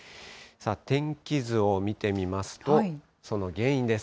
天気図を見てみますと、その原因です。